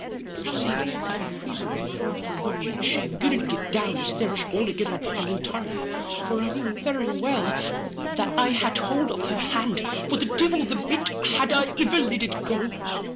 You percave I had a reason of my own for knowing that she couldn't git down the stares althegither and intirely; for I knew very well that I had hould of her hand, for the divil the bit had I iver lit it go.